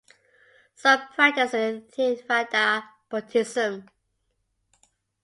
Some practice Theravada Buddhism.